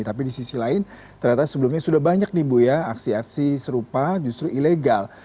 tapi di sisi lain ternyata sebelumnya sudah banyak nih bu ya aksi aksi serupa justru ilegal